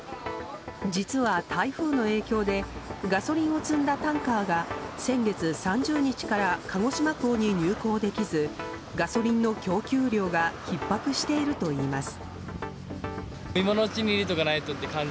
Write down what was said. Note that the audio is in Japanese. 実は台風の影響でガソリンを積んだタンカーが先月３０日から鹿児島港に入港できずガソリンの供給量がひっ迫しているといいます。